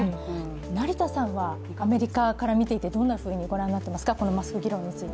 成田さんはアメリカから見ていてどんなふうに御覧になっていますか、このマスク議論を見ていて。